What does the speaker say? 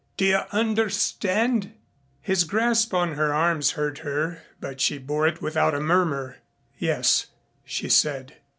Do you understand?" His grasp on her arms hurt her but she bore it without a murmur. "Yes," she said.